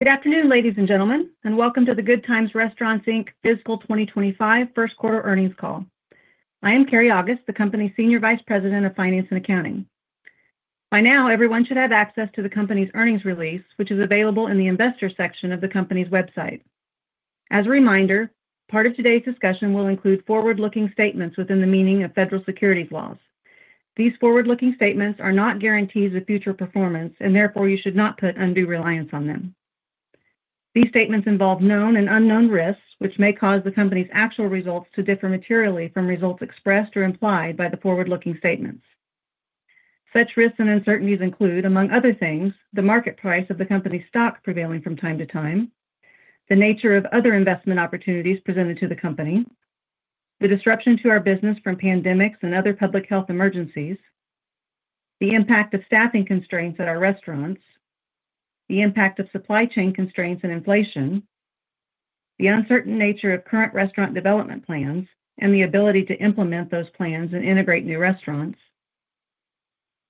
Good afternoon, ladies and gentlemen, and welcome to the Good Times Restaurants fiscal 2025 first quarter earnings call. I am Keri August, the company's Senior Vice President of Finance and Accounting. By now, everyone should have access to the company's earnings release, which is available in the investor section of the company's website. As a reminder, part of today's discussion will include forward-looking statements within the meaning of federal securities laws. These forward-looking statements are not guarantees of future performance, and therefore you should not put undue reliance on them. These statements involve known and unknown risks, which may cause the company's actual results to differ materially from results expressed or implied by the forward-looking statements. Such risks and uncertainties include, among other things, the market price of the company's stock prevailing from time to time, the nature of other investment opportunities presented to the company, the disruption to our business from pandemics and other public health emergencies, the impact of staffing constraints at our restaurants, the impact of supply chain constraints and inflation, the uncertain nature of current restaurant development plans and the ability to implement those plans and integrate new restaurants,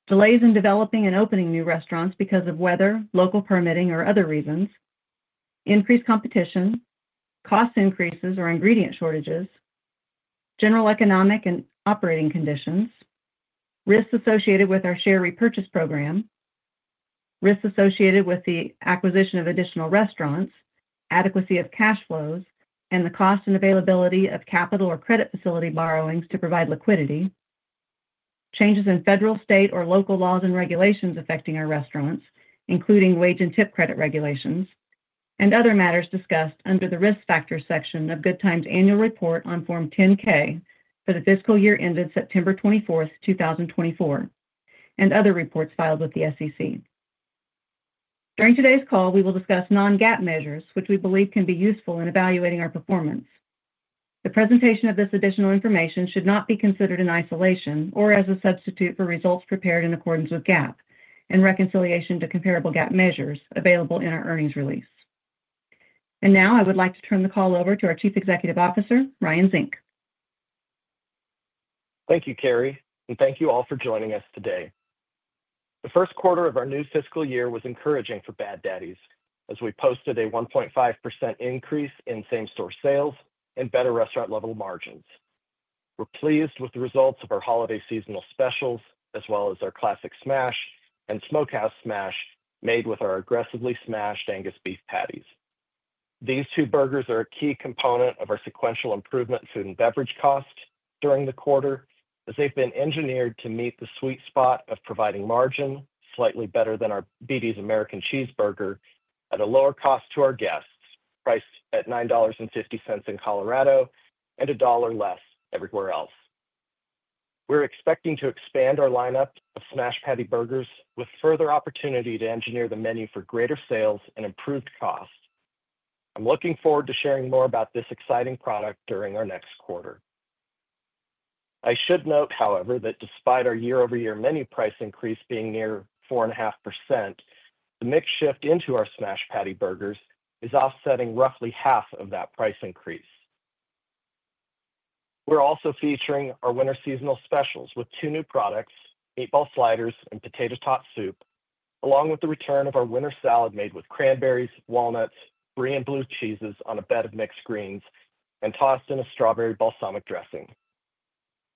delays in developing and opening new restaurants because of weather, local permitting, or other reasons, increased competition, cost increases or ingredient shortages, general economic and operating conditions, risks associated with our share repurchase program, risks associated with the acquisition of additional restaurants, adequacy of cash flows, and the cost and availability of capital or credit facility borrowings to provide liquidity, changes in federal, state, or local laws and regulations affecting our restaurants, including wage and tip credit regulations, and other matters discussed under the Risk Factors section of Good Times' annual report on Form 10-K for the fiscal year ended September 24th, 2024, and other reports filed with the SEC. During today's call, we will discuss non-GAAP measures, which we believe can be useful in evaluating our performance. The presentation of this additional information should not be considered in isolation or as a substitute for results prepared in accordance with GAAP and reconciliation to comparable GAAP measures available in our earnings release. I would like to turn the call over to our Chief Executive Officer, Ryan Zink. Thank you, Keri, and thank you all for joining us today. The first quarter of our new fiscal year was encouraging for Bad Daddy's as we posted a 1.5% increase in same-store sales and better restaurant-level margins. We're pleased with the results of our holiday seasonal specials as well as our Classic Smash and Smokehouse Smash made with our aggressively smashed Angus beef patties. These two burgers are a key component of our sequential improvement in food and beverage costs during the quarter as they've been engineered to meet the sweet spot of providing margin slightly better than our BD's American Cheeseburger at a lower cost to our guests, priced at $9.50 in Colorado and a dollar less everywhere else. We're expecting to expand our lineup of smash patty burgers with further opportunity to engineer the menu for greater sales and improved costs. I'm looking forward to sharing more about this exciting product during our next quarter. I should note, however, that despite our year-over-year menu price increase being near 4.5%, the mix shift into our smash patty burgers is offsetting roughly half of that price increase. We're also featuring our winter seasonal specials with two new products, Meatball Sliders and Potato Tot Soup, along with the return of our Winter Salad made with cranberries, walnuts, brie, and blue cheeses on a bed of mixed greens and tossed in a strawberry balsamic dressing.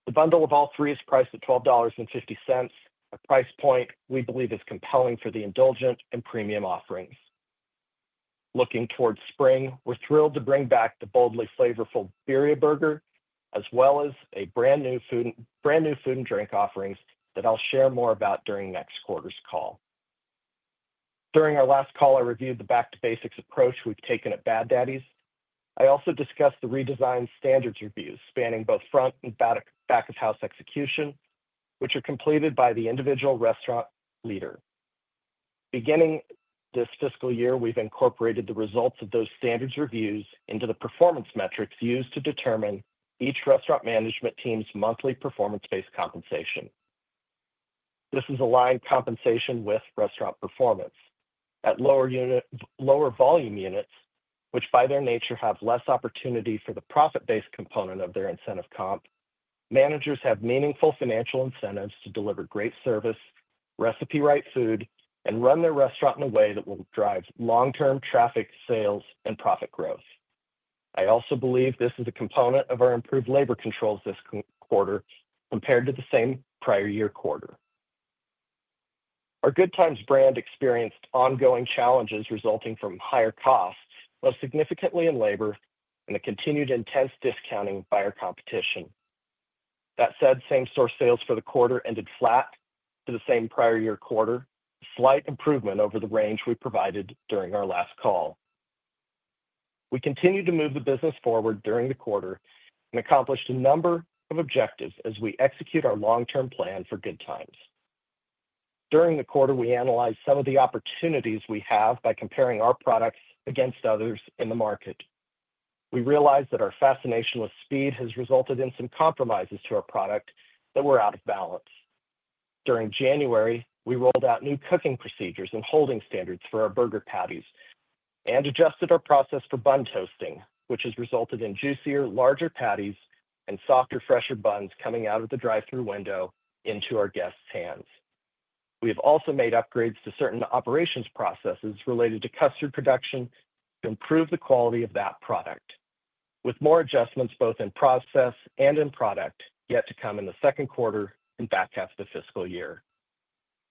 The bundle of all three is priced at $12.50, a price point we believe is compelling for the indulgent and premium offerings. Looking towards spring, we're thrilled to bring back the boldly flavorful Birria Burger as well as brand new food and drink offerings that I'll share more about during next quarter's call. During our last call, I reviewed the back-to-basics approach we've taken at Bad Daddy's. I also discussed the redesigned standards reviews spanning both front and back-of-house execution, which are completed by the individual restaurant leader. Beginning this fiscal year, we've incorporated the results of those standards reviews into the performance metrics used to determine each restaurant management team's monthly performance-based compensation. This has aligned compensation with restaurant performance. At lower volume units, which by their nature have less opportunity for the profit-based component of their incentive comp, managers have meaningful financial incentives to deliver great service, recipe-right food, and run their restaurant in a way that will drive long-term traffic, sales, and profit growth. I also believe this is a component of our improved labor controls this quarter compared to the same prior year quarter. Our Good Times brand experienced ongoing challenges resulting from higher costs, most significantly in labor, and the continued intense discounting by our competition. That said, same-store sales for the quarter ended flat to the same prior year quarter, a slight improvement over the range we provided during our last call. We continue to move the business forward during the quarter and accomplished a number of objectives as we execute our long-term plan for Good Times. During the quarter, we analyzed some of the opportunities we have by comparing our products against others in the market. We realized that our fascination with speed has resulted in some compromises to our product that were out of balance. During January, we rolled out new cooking procedures and holding standards for our burger patties and adjusted our process for bun toasting, which has resulted in juicier, larger patties and softer, fresher buns coming out of the drive-thru window into our guests' hands. We have also made upgrades to certain operations processes related to custard production to improve the quality of that product, with more adjustments both in process and in product yet to come in the second quarter and back half of the fiscal year.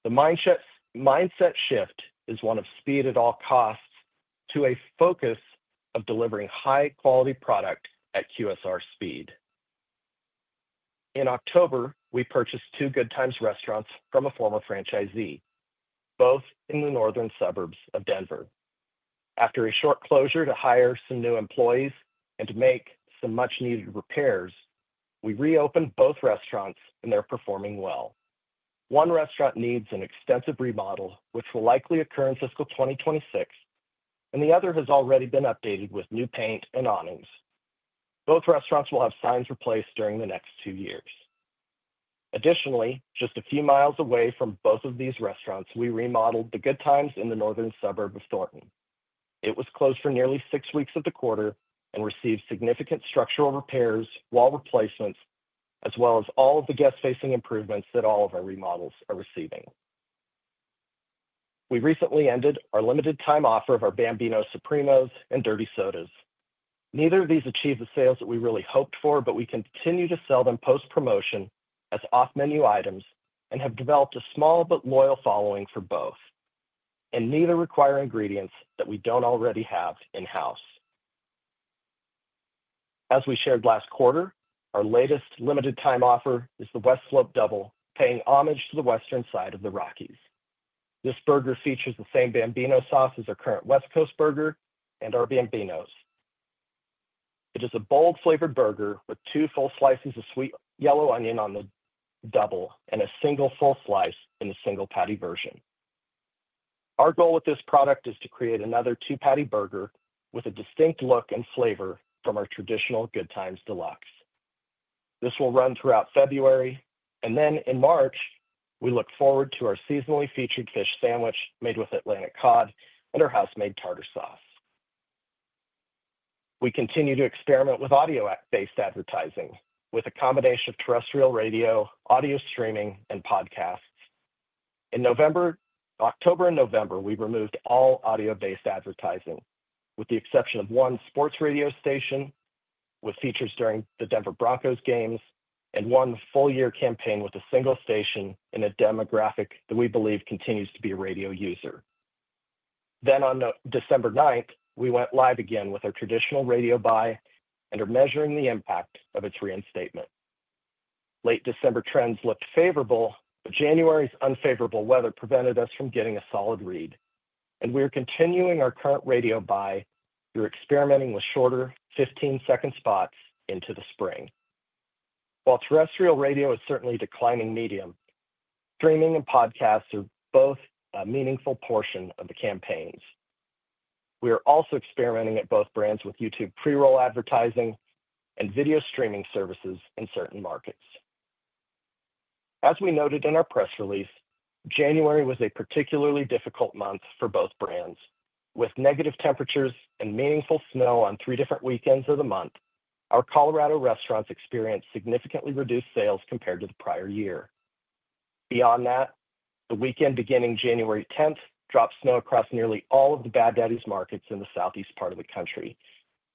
The mindset shift is one of speed at all costs to a focus of delivering high-quality product at QSR speed. In October, we purchased two Good Times restaurants from a former franchisee, both in the northern suburbs of Denver. After a short closure to hire some new employees and to make some much-needed repairs, we reopened both restaurants and they're performing well. One restaurant needs an extensive remodel, which will likely occur in fiscal 2026, and the other has already been updated with new paint and awnings. Both restaurants will have signs replaced during the next two years. Additionally, just a few miles away from both of these restaurants, we remodeled the Good Times in the northern suburb of Thornton. It was closed for nearly six weeks of the quarter and received significant structural repairs while replacements, as well as all of the guest-facing improvements that all of our remodels are receiving. We recently ended our limited-time offer of our Bambino Supremos and dirty sodas. Neither of these achieved the sales that we really hoped for, but we continue to sell them post-promotion as off-menu items and have developed a small but loyal following for both, and neither require ingredients that we do not already have in-house. As we shared last quarter, our latest limited-time offer is the West Slope Double, paying homage to the western side of the Rockies. This burger features the same Bambino sauce as our current West Coast Burger and our Bambinos. It is a bold-flavored burger with two full slices of sweet yellow onion on the double and a single full slice in the single patty version. Our goal with this product is to create another two-patty burger with a distinct look and flavor from our traditional Good Times Deluxe. This will run throughout February, and then in March, we look forward to our seasonally featured fish sandwich made with Atlantic cod and our house-made tartar sauce. We continue to experiment with audio-based advertising with a combination of terrestrial radio, audio streaming, and podcasts. In October and November, we removed all audio-based advertising with the exception of one sports radio station with features during the Denver Broncos games and one full-year campaign with a single station in a demographic that we believe continues to be a radio user. On December 9th, we went live again with our traditional radio buy and are measuring the impact of its reinstatement. Late December trends looked favorable, but January's unfavorable weather prevented us from getting a solid read, and we are continuing our current radio buy through experimenting with shorter 15-second spots into the spring. While terrestrial radio is certainly a declining medium, streaming and podcasts are both a meaningful portion of the campaigns. We are also experimenting at both brands with YouTube pre-roll advertising and video streaming services in certain markets. As we noted in our press release, January was a particularly difficult month for both brands. With negative temperatures and meaningful snow on three different weekends of the month, our Colorado restaurants experienced significantly reduced sales compared to the prior year. Beyond that, the weekend beginning January 10 dropped snow across nearly all of the Bad Daddy's markets in the southeast part of the country,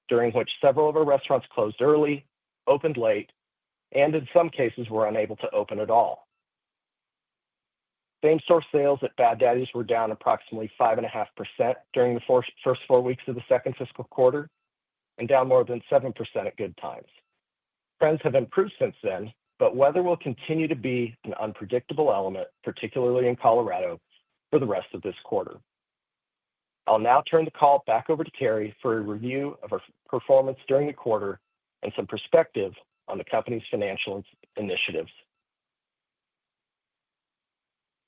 during which several of our restaurants closed early, opened late, and in some cases were unable to open at all. Same-store sales at Bad Daddy's were down approximately 5.5% during the first four weeks of the second fiscal quarter and down more than 7% at Good Times. Trends have improved since then, but weather will continue to be an unpredictable element, particularly in Colorado, for the rest of this quarter. I'll now turn the call back over to Keri for a review of our performance during the quarter and some perspective on the company's financial initiatives.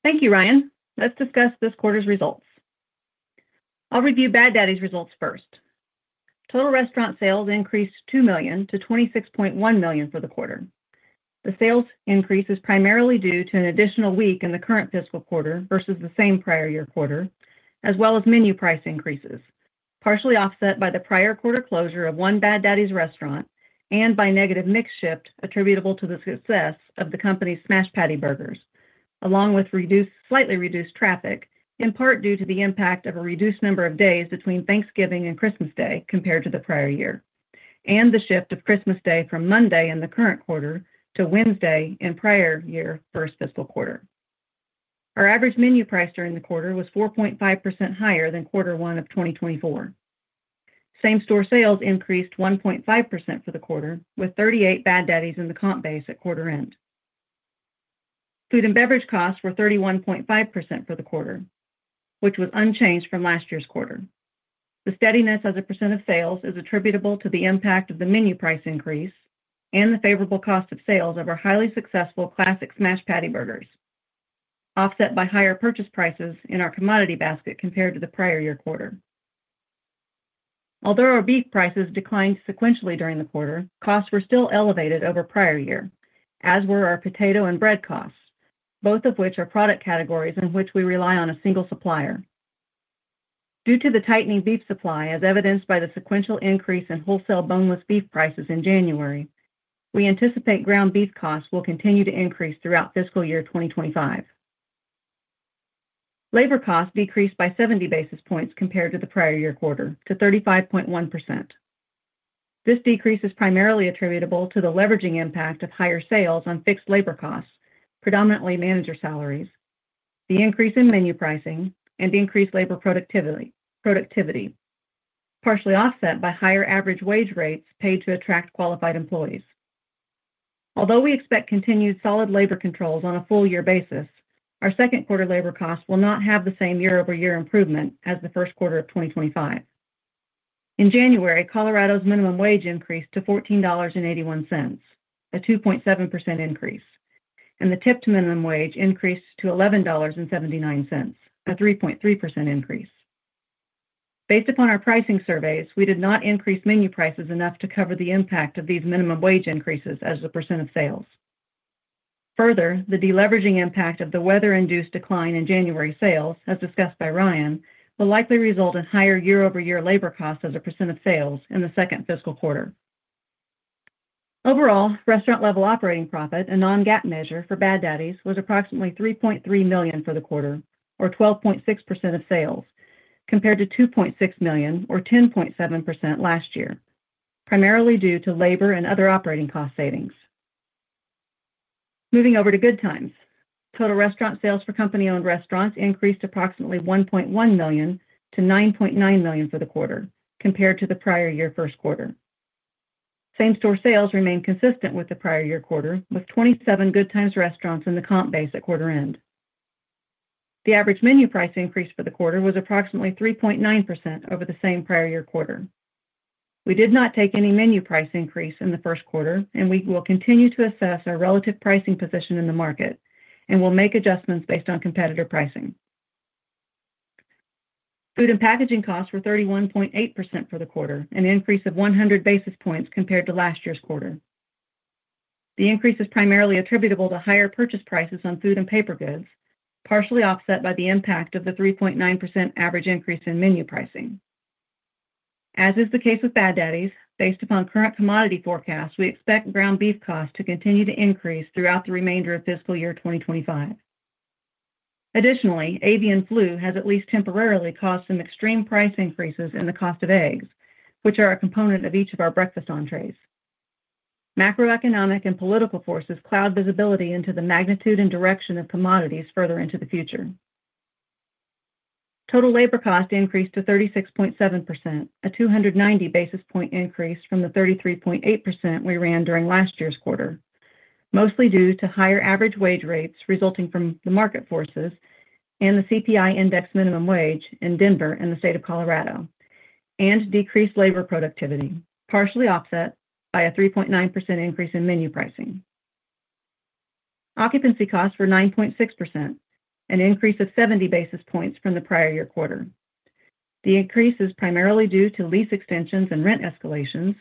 Thank you, Ryan. Let's discuss this quarter's results. I'll review Bad Daddy's results first. Total restaurant sales increased $2 million to $26.1 million for the quarter. The sales increase is primarily due to an additional week in the current fiscal quarter versus the same prior year quarter, as well as menu price increases, partially offset by the prior quarter closure of one Bad Daddy's restaurant and by negative mix shift attributable to the success of the company's Smash Patty burgers, along with slightly reduced traffic, in part due to the impact of a reduced number of days between Thanksgiving and Christmas Day compared to the prior year, and the shift of Christmas Day from Monday in the current quarter to Wednesday in prior year's first fiscal quarter. Our average menu price during the quarter was 4.5% higher than quarter one of 2024. Same-store sales increased 1.5% for the quarter, with 38 Bad Daddy's in the comp base at quarter end. Food and beverage costs were 31.5% for the quarter, which was unchanged from last year's quarter. The steadiness as a percent of sales is attributable to the impact of the menu price increase and the favorable cost of sales of our highly successful classic smash patty burgers, offset by higher purchase prices in our commodity basket compared to the prior year quarter. Although our beef prices declined sequentially during the quarter, costs were still elevated over prior year, as were our potato and bread costs, both of which are product categories in which we rely on a single supplier. Due to the tightening beef supply, as evidenced by the sequential increase in wholesale boneless beef prices in January, we anticipate ground beef costs will continue to increase throughout fiscal year 2025. Labor costs decreased by 70 basis points compared to the prior year quarter to 35.1%. This decrease is primarily attributable to the leveraging impact of higher sales on fixed labor costs, predominantly manager salaries, the increase in menu pricing, and increased labor productivity, partially offset by higher average wage rates paid to attract qualified employees. Although we expect continued solid labor controls on a full-year basis, our second quarter labor costs will not have the same year-over-year improvement as the first quarter of 2025. In January, Colorado's minimum wage increased to $14.81, a 2.7% increase, and the tipped minimum wage increased to $11.79, a 3.3% increase. Based upon our pricing surveys, we did not increase menu prices enough to cover the impact of these minimum wage increases as a percent of sales. Further, the deleveraging impact of the weather-induced decline in January sales, as discussed by Ryan, will likely result in higher year-over-year labor costs as a percent of sales in the second fiscal quarter. Overall, restaurant-level operating profit, a non-GAAP measure for Bad Daddy's, was approximately $3.3 million for the quarter, or 12.6% of sales, compared to $2.6 million, or 10.7% last year, primarily due to labor and other operating cost savings. Moving over to Good Times, total restaurant sales for company-owned restaurants increased approximately $1.1 million to $9.9 million for the quarter, compared to the prior year first quarter. Same-store sales remained consistent with the prior year quarter, with 27 Good Times Restaurants in the comp base at quarter end. The average menu price increase for the quarter was approximately 3.9% over the same prior year quarter. We did not take any menu price increase in the first quarter, and we will continue to assess our relative pricing position in the market and will make adjustments based on competitor pricing. Food and packaging costs were 31.8% for the quarter, an increase of 100 basis points compared to last year's quarter. The increase is primarily attributable to higher purchase prices on food and paper goods, partially offset by the impact of the 3.9% average increase in menu pricing. As is the case with Bad Daddy's, based upon current commodity forecasts, we expect ground beef costs to continue to increase throughout the remainder of fiscal year 2025. Additionally, avian flu has at least temporarily caused some extreme price increases in the cost of eggs, which are a component of each of our breakfast entrees. Macroeconomic and political forces cloud visibility into the magnitude and direction of commodities further into the future. Total labor costs increased to 36.7%, a 290 basis point increase from the 33.8% we ran during last year's quarter, mostly due to higher average wage rates resulting from the market forces and the CPI index minimum wage in Denver and the State of Colorado, and decreased labor productivity, partially offset by a 3.9% increase in menu pricing. Occupancy costs were 9.6%, an increase of 70 basis points from the prior year quarter. The increase is primarily due to lease extensions and rent escalations,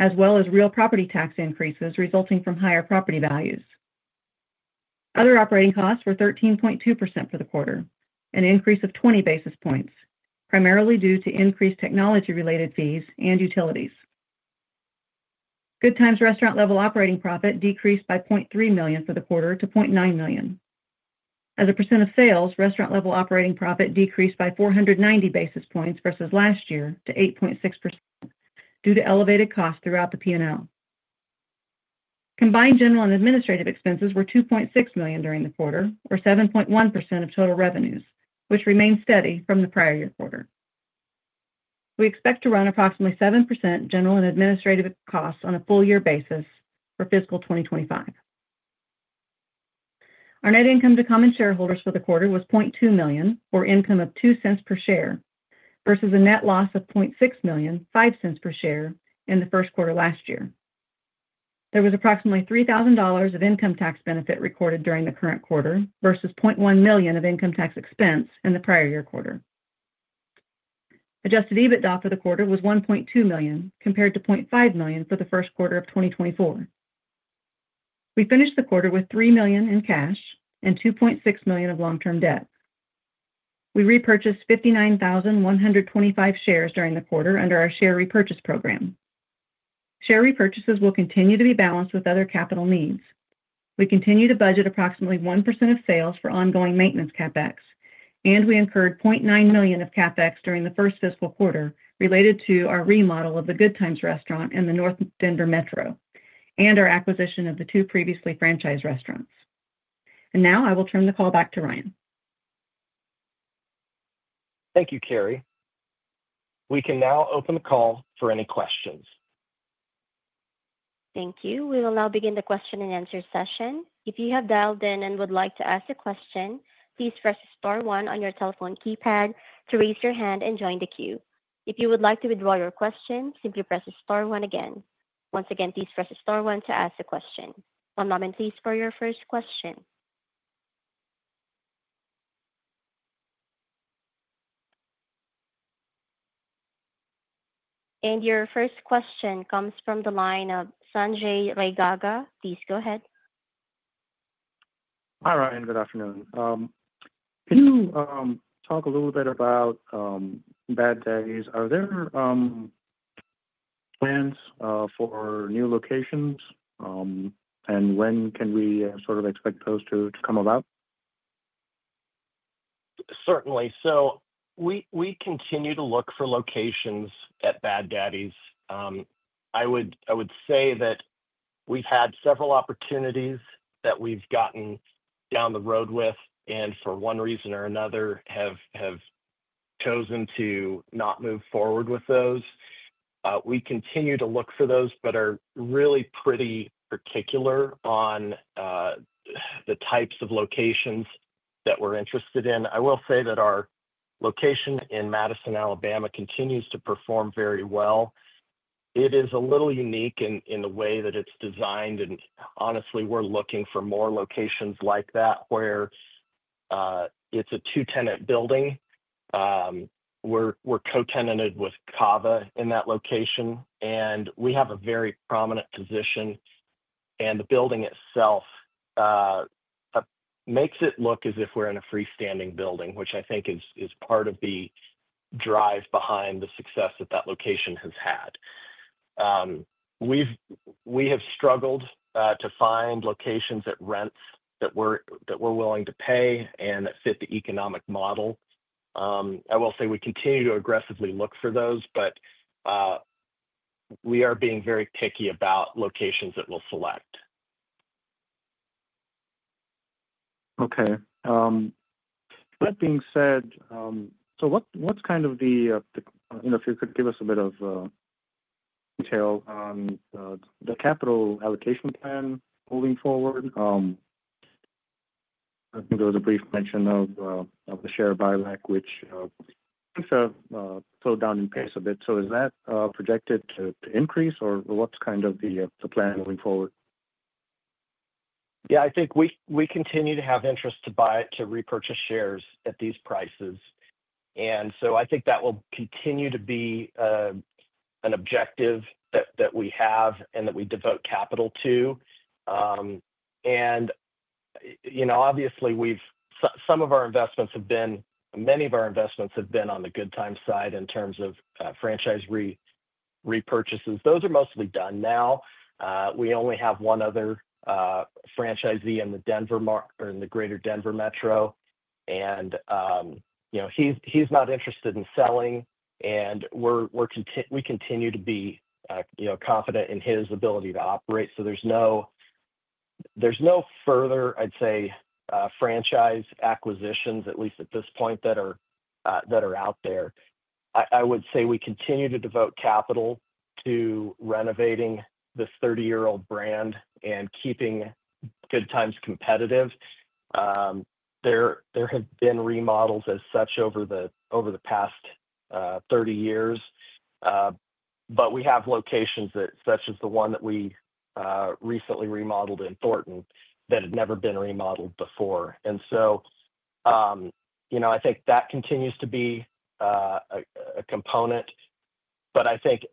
as well as real property tax increases resulting from higher property values. Other operating costs were 13.2% for the quarter, an increase of 20 basis points, primarily due to increased technology-related fees and utilities. Good Times Restaurant-level operating profit decreased by $0.3 million for the quarter to $0.9 million. As a percent of sales, restaurant-level operating profit decreased by 490 basis points versus last year to 8.6% due to elevated costs throughout the P&L. Combined general and administrative expenses were $2.6 million during the quarter, or 7.1% of total revenues, which remained steady from the prior year quarter. We expect to run approximately 7% general and administrative costs on a full-year basis for fiscal 2025. Our net income to common shareholders for the quarter was $0.2 million, or income of $0.02 per share, versus a net loss of $0.6 million, $0.05 per share in the first quarter last year. There was approximately $3,000 of income tax benefit recorded during the current quarter versus $0.1 million of income tax expense in the prior year quarter. Adjusted EBITDA for the quarter was $1.2 million, compared to $0.5 million for the first quarter of 2024. We finished the quarter with $3 million in cash and $2.6 million of long-term debt. We repurchased 59,125 shares during the quarter under our share repurchase program. Share repurchases will continue to be balanced with other capital needs. We continue to budget approximately 1% of sales for ongoing maintenance CapEx, and we incurred $0.9 million of CapEx during the first fiscal quarter related to our remodel of the Good Times restaurant in the North Denver Metro and our acquisition of the two previously franchised restaurants. I will now turn the call back to Ryan. Thank you, Keri. We can now open the call for any questions. Thank you. We will now begin the question-and-answer session. If you have dialed in and would like to ask a question, please press star one on your telephone keypad to raise your hand and join the queue. If you would like to withdraw your question, simply press star one again. Once again, please press star one to ask a question. One moment, please, for your first question. Your first question comes from the line of Sanjay Raigaga. Please go ahead. Hi, Ryan. Good afternoon. Can you talk a little bit about Bad Daddy's? Are there plans for new locations, and when can we sort of expect those to come about? Certainly. We continue to look for locations at Bad Daddy's. I would say that we've had several opportunities that we've gotten down the road with and, for one reason or another, have chosen to not move forward with those. We continue to look for those but are really pretty particular on the types of locations that we're interested in. I will say that our location in Madison, Alabama, continues to perform very well. It is a little unique in the way that it's designed, and honestly, we're looking for more locations like that where it's a two-tenant building. We're co-tenanted with CAVA in that location, and we have a very prominent position. The building itself makes it look as if we're in a freestanding building, which I think is part of the drive behind the success that that location has had. We have struggled to find locations that rent that we are willing to pay and that fit the economic model. I will say we continue to aggressively look for those, but we are being very picky about locations that we will select. Okay. That being said, what's kind of the—if you could give us a bit of detail on the capital allocation plan moving forward? I think there was a brief mention of the share buyback, which things have slowed down in pace a bit. Is that projected to increase, or what's kind of the plan moving forward? Yeah, I think we continue to have interest to buy it, to repurchase shares at these prices. I think that will continue to be an objective that we have and that we devote capital to. Obviously, some of our investments have been—many of our investments have been on the Good Times side in terms of franchise repurchases. Those are mostly done now. We only have one other franchisee in the Denver or in the greater Denver Metro, and he's not interested in selling. We continue to be confident in his ability to operate. There are no further, I'd say, franchise acquisitions, at least at this point, that are out there. I would say we continue to devote capital to renovating this 30-year-old brand and keeping Good Times competitive. There have been remodels as such over the past 30 years, but we have locations such as the one that we recently remodeled in Thornton that had never been remodeled before. I think that continues to be a component. I think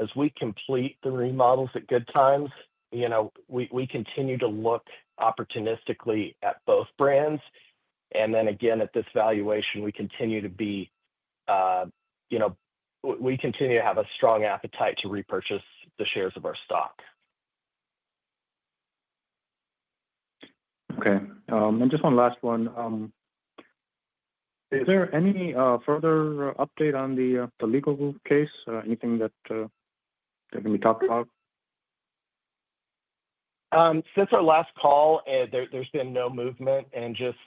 as we complete the remodels at Good Times, we continue to look opportunistically at both brands. At this valuation, we continue to have a strong appetite to repurchase the shares of our stock. Okay. Just one last one. Is there any further update on the legal case? Anything that can be talked about? Since our last call, there's been no movement. Just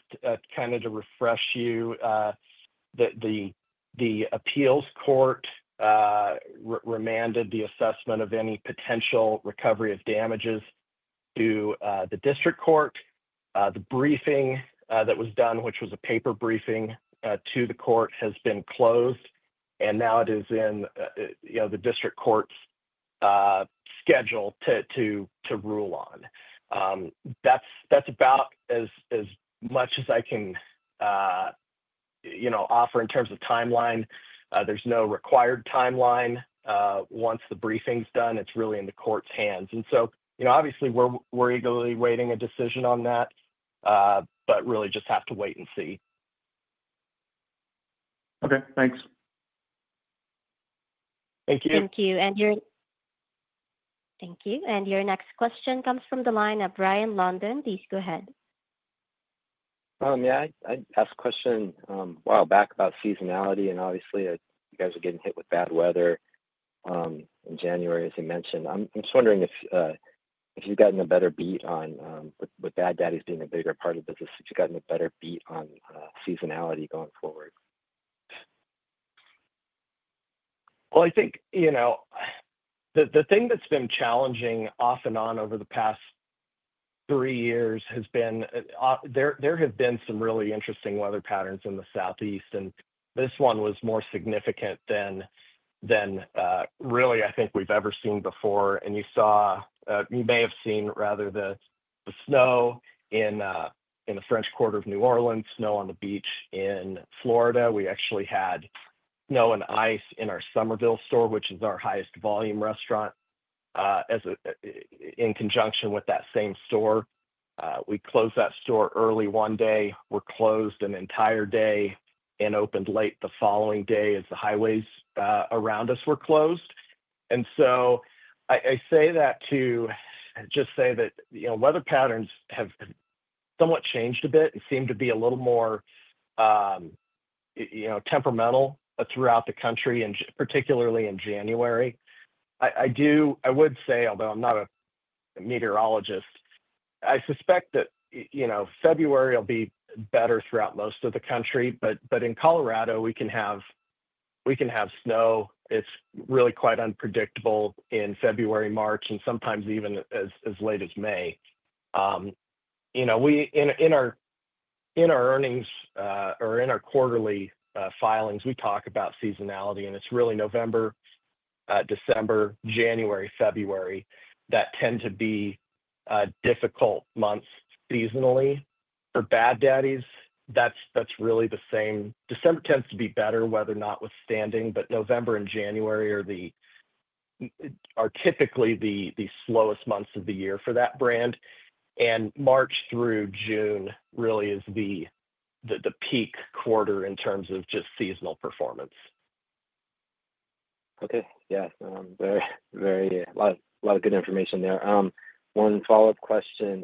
kind of to refresh you, the appeals court remanded the assessment of any potential recovery of damages to the district court. The briefing that was done, which was a paper briefing to the court, has been closed, and now it is in the district court's schedule to rule on. That's about as much as I can offer in terms of timeline. There's no required timeline. Once the briefing's done, it's really in the court's hands. Obviously, we're eagerly waiting a decision on that, but really just have to wait and see. Okay. Thanks. Thank you. Thank you. Your next question comes from the line of Ryan London. Please go ahead. Yeah. I asked a question a while back about seasonality, and obviously, you guys are getting hit with bad weather in January, as you mentioned. I'm just wondering if you've gotten a better beat on with Bad Daddy's being a bigger part of the business, if you've gotten a better beat on seasonality going forward. I think the thing that's been challenging off and on over the past three years has been, there have been some really interesting weather patterns in the Southeast, and this one was more significant than really I think we've ever seen before. You may have seen, rather, the snow in the French Quarter of New Orleans, snow on the beach in Florida. We actually had snow and ice in our Somerville store, which is our highest volume restaurant, in conjunction with that same store. We closed that store early one day. We were closed an entire day and opened late the following day as the highways around us were closed. I say that to just say that weather patterns have somewhat changed a bit and seem to be a little more temperamental throughout the country, and particularly in January. I would say, although I'm not a meteorologist, I suspect that February will be better throughout most of the country. In Colorado, we can have snow. It's really quite unpredictable in February, March, and sometimes even as late as May. In our earnings or in our quarterly filings, we talk about seasonality, and it's really November, December, January, February that tend to be difficult months seasonally. For Bad Daddy's, that's really the same. December tends to be better, weather notwithstanding, but November and January are typically the slowest months of the year for that brand. March through June really is the peak quarter in terms of just seasonal performance. Okay. Yeah. Very, very a lot of good information there. One follow-up question.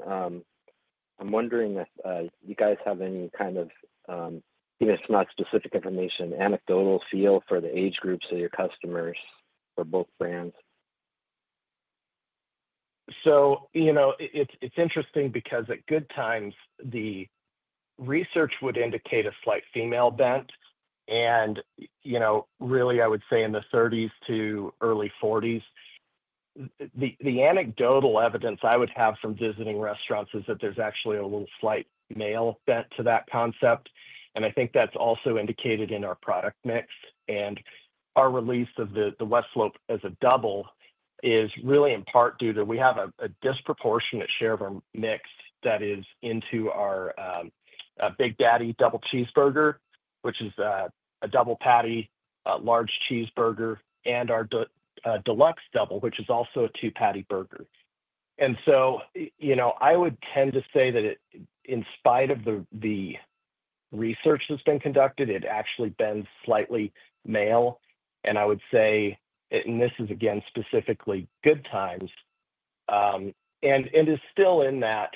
I'm wondering if you guys have any kind of, even if it's not specific information, anecdotal feel for the age groups of your customers for both brands. It's interesting because at Good Times, the research would indicate a slight female bent. I would say in the 30s to early 40s, the anecdotal evidence I would have from visiting restaurants is that there's actually a little slight male bent to that concept. I think that's also indicated in our product mix. Our release of the West Slope as a double is really in part due to we have a disproportionate share of our mix that is into our Big Daddy Double Cheeseburger, which is a double patty, large cheeseburger, and our Deluxe Double, which is also a two-patty burger. I would tend to say that in spite of the research that's been conducted, it actually bends slightly male. I would say, and this is again specifically Good Times, it is still in that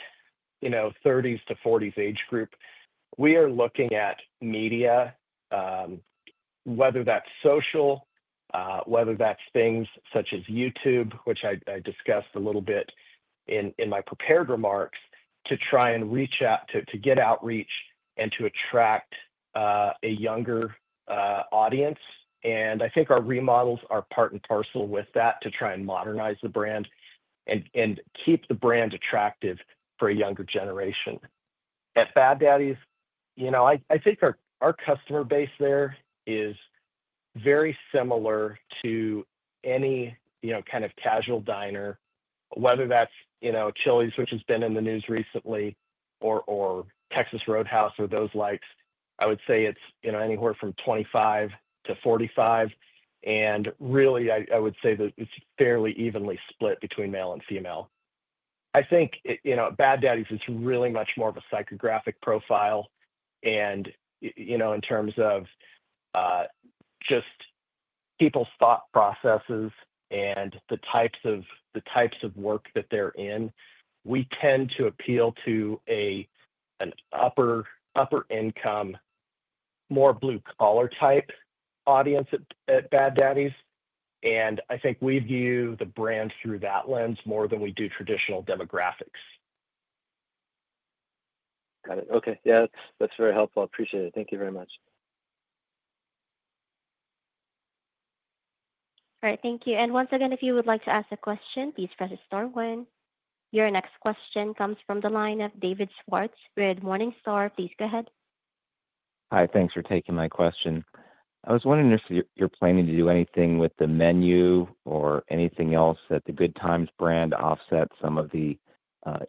30s to 40s age group. We are looking at media, whether that's social, whether that's things such as YouTube, which I discussed a little bit in my prepared remarks, to try and reach out to get outreach and to attract a younger audience. I think our remodels are part and parcel with that to try and modernize the brand and keep the brand attractive for a younger generation. At Bad Daddy's, I think our customer base there is very similar to any kind of casual diner, whether that's Chili's, which has been in the news recently, or Texas Roadhouse or those likes. I would say it's anywhere from 25-45. Really, I would say that it's fairly evenly split between male and female. I think Bad Daddy's is really much more of a psychographic profile. In terms of just people's thought processes and the types of work that they're in, we tend to appeal to an upper-income, more blue-collar type audience at Bad Daddy's, and I think we view the brand through that lens more than we do traditional demographics. Got it. Okay. Yeah. That's very helpful. I appreciate it. Thank you very much. All right. Thank you. Once again, if you would like to ask a question, please press star one. Your next question comes from the line of David Schawel with Morningstar. Please go ahead. Hi. Thanks for taking my question. I was wondering if you're planning to do anything with the menu or anything else that the Good Times brand offsets some of the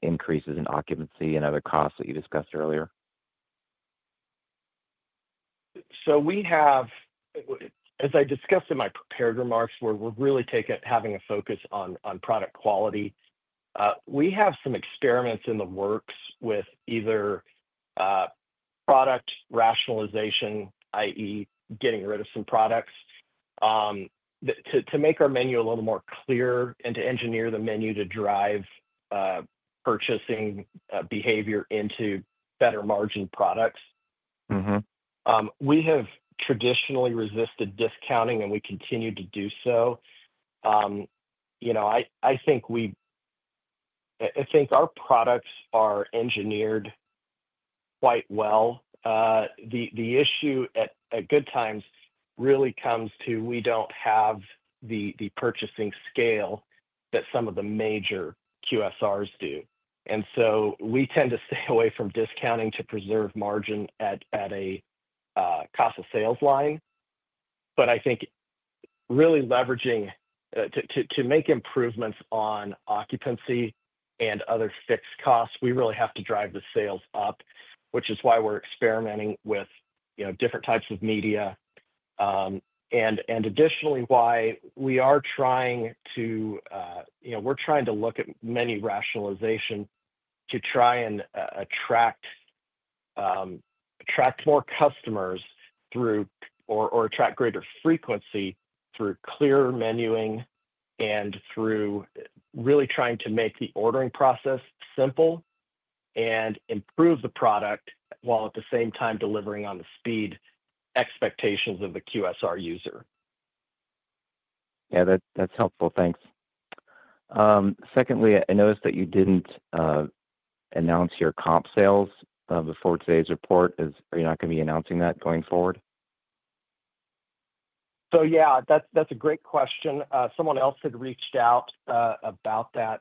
increases in occupancy and other costs that you discussed earlier. As I discussed in my prepared remarks, we're really having a focus on product quality. We have some experiments in the works with either product rationalization, i.e., getting rid of some products, to make our menu a little more clear and to engineer the menu to drive purchasing behavior into better-margin products. We have traditionally resisted discounting, and we continue to do so. I think our products are engineered quite well. The issue at Good Times really comes to we don't have the purchasing scale that some of the major QSRs do. We tend to stay away from discounting to preserve margin at a cost-of-sales line. I think really leveraging to make improvements on occupancy and other fixed costs, we really have to drive the sales up, which is why we're experimenting with different types of media. Additionally, we are trying to look at menu rationalization to try and attract more customers through or attract greater frequency through clearer menuing and through really trying to make the ordering process simple and improve the product while at the same time delivering on the speed expectations of the QSR user. Yeah. That's helpful. Thanks. Secondly, I noticed that you didn't announce your comp sales before today's report. Are you not going to be announcing that going forward? That is a great question. Someone else had reached out about that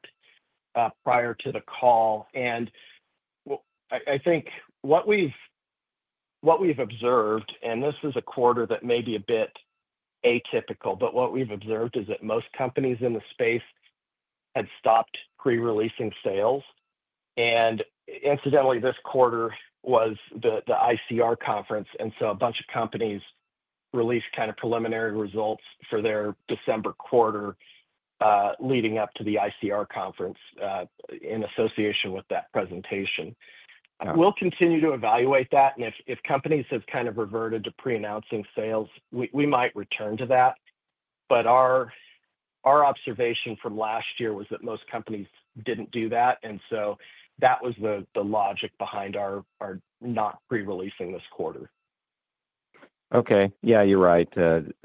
prior to the call. I think what we have observed—and this is a quarter that may be a bit atypical—what we have observed is that most companies in the space had stopped pre-releasing sales. Incidentally, this quarter was the ICR conference. A bunch of companies released kind of preliminary results for their December quarter leading up to the ICR conference in association with that presentation. We will continue to evaluate that. If companies have kind of reverted to pre-announcing sales, we might return to that. Our observation from last year was that most companies did not do that. That was the logic behind our not pre-releasing this quarter. Okay. Yeah. You're right.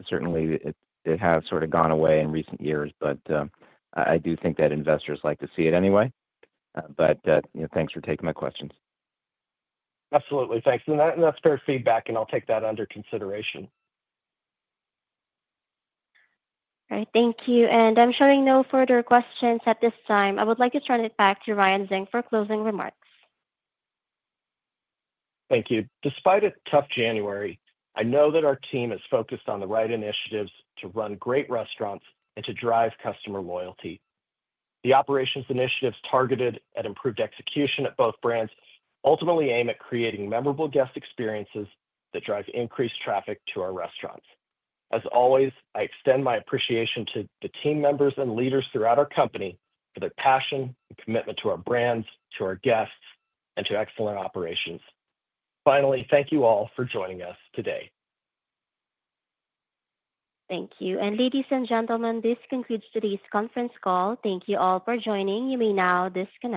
Certainly, it has sort of gone away in recent years, but I do think that investors like to see it anyway. Thanks for taking my questions. Absolutely. Thanks. That is fair feedback, and I'll take that under consideration. All right. Thank you. I am showing no further questions at this time. I would like to turn it back to Ryan Zink for closing remarks. Thank you. Despite a tough January, I know that our team is focused on the right initiatives to run great restaurants and to drive customer loyalty. The operations initiatives targeted at improved execution at both brands ultimately aim at creating memorable guest experiences that drive increased traffic to our restaurants. As always, I extend my appreciation to the team members and leaders throughout our company for their passion and commitment to our brands, to our guests, and to excellent operations. Finally, thank you all for joining us today. Thank you. Ladies and gentlemen, this concludes today's conference call. Thank you all for joining. You may now disconnect.